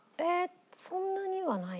そんなにはない。